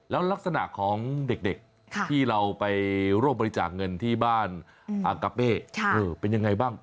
แล้วลักษณะของเด็กที่เราไปร่วมบริจาคเงินที่บ้านอากาเป้เป็นยังไงบ้าง